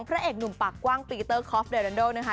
พระเอกหนุ่มปากกว้างปีเตอร์คอฟเดรันโดนะคะ